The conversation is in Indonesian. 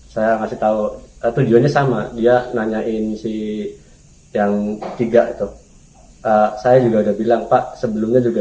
saya kasih tau tujuannya sama dia nanyain si yang tiga itu saya juga udah bilang pak sebelumnya juga